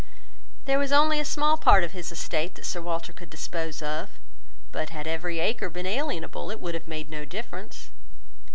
There was only a small part of his estate that Sir Walter could dispose of; but had every acre been alienable, it would have made no difference.